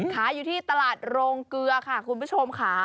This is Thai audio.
ขายอยู่ที่ตลาดโรงเกลือค่ะคุณผู้ชมค่ะ